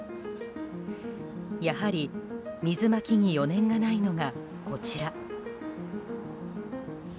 やはり、水まきに余念がないのがこちら。